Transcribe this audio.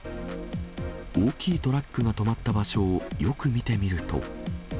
大きいトラックが止まった場所をよく見てみると。